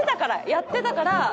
「やってたから」？